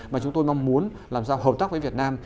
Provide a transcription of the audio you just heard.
mà chúng tôi mong muốn làm sao hợp tác với việt nam